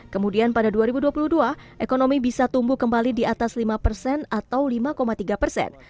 kemudian pada dua ribu dua puluh dua ekonomi bisa tumbuh kembali di atas lima persen atau lima tiga persen